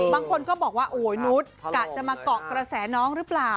บางคนก็บอกว่าโอ้ยนุษย์กะจะมาเกาะกระแสน้องหรือเปล่า